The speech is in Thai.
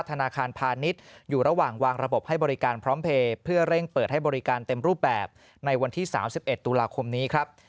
ธนาคารพาณิชย์อยู่ระหว่างวางระบบให้บริการพร้อมเพลย์เพื่อเร่งเปิดให้บริการเต็มรูปแบบในวันที่๓๑ตุลาคมนี้ครับ